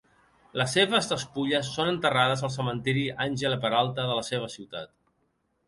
Les seves despulles són enterrades al cementiri Angela Peralta de la seva ciutat.